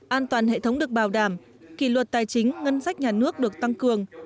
an toàn hệ thống được bảo đảm kỷ luật tài chính ngân sách nhà nước được tăng cường